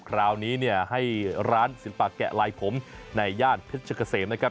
คราวนี้เนี่ยให้ร้านศิลปะแกะลายผมในย่านเพชรเกษมนะครับ